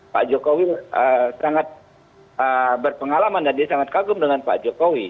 pak jokowi sangat berpengalaman dan dia sangat kagum dengan pak jokowi